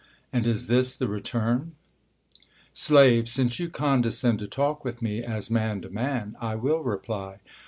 And is this the return ? Slave. Since you condescend to talk with me, as Bian to man, I will reply.